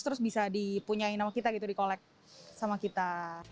terus bisa dipunyai nama kita gitu di collect sama kita